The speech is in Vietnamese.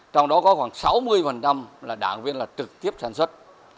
trong đó có khoảng sáu mươi là đảng viên là trực tiếp sản xuất